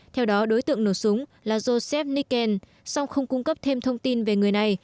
theo đó đối tượng nổ súng là joseph niken song không cung cấp thêm thông tin về người này